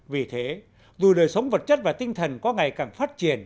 vì thế dù đời sống vật chất và tinh thần có ngày càng phát triển